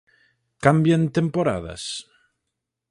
Cambian temporadas.